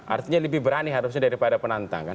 artinya lebih berani harusnya daripada penantang kan